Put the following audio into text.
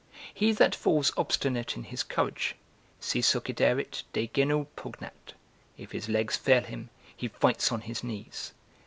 He that falls obstinate in his courage "Si succiderit, de genu pugnat" ["If his legs fail him, he fights on his knees."